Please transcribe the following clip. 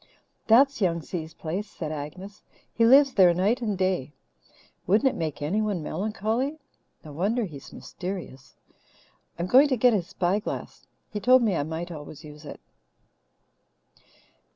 "That's Young Si's place," said Agnes. "He lives there night and day. Wouldn't it make anyone melancholy? No wonder he's mysterious. I'm going to get his spyglass. He told me I might always use it."